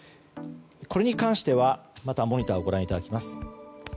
これに関してはモニターをご覧いただきます。